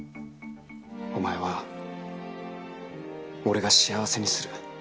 お前は俺が幸せにする。